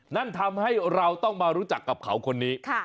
นั่นทำให้เราต้องมารู้จักกับเขาคนนี้